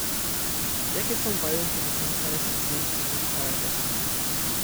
Jakie są warunki wykorzystania tych zdjęć satelitarnych?